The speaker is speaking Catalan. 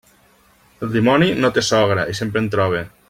El dimoni no té sogra i sempre en troba.